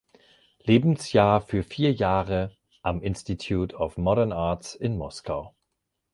Lebensjahr für vier Jahre am Institute of Modern Arts in Moskau.